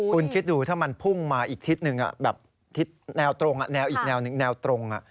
คุณคิดดูถ้ามันพุ่งมาอีกทิศหนึ่งแบบทิศแนวตรงแนวอีกแนวหนึ่งแนวตรง